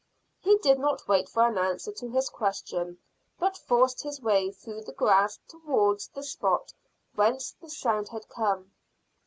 He did not wait for an answer to his question, but forced his way through the grass towards the spot whence the sound had come.